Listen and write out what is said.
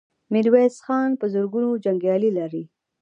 ميرويس خان په زرګونو جنګيالي لري.